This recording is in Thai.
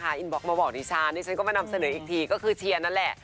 เมื่อวานบอกมาบอกนิชานี่ฉันก็มานำเสนออีกทีก็คือเชียร์นั่นแหละ